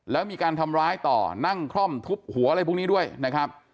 แล้วมีการทำร้ายต่อนั่งคล่อมทุบหัวอะไรพวกนี้ด้วยนะครับ